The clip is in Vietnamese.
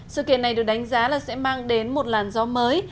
sự kiện này được đánh giá là sẽ mang đến một làn gió mới